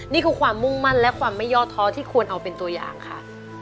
นี่คือความมุ่งมั่นและความไม่ย่อท้อที่ควรเอาเป็นตัวอย่างค่ะ